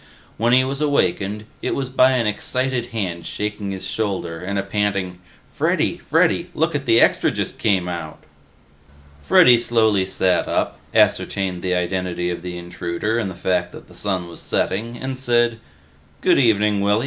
When he was awakened, it was by an excited hand shaking his shoulder and a panting, "Freddy! Freddy! Lookit the Extra just came out!" Freddy slowly sat up, ascertained the identity of the intruder and the fact that the sun was setting, and said, "Good evening, Willy.